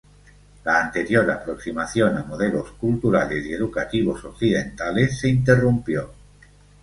La anterior aproximación a modelos culturales y educativos occidentales se interrumpió.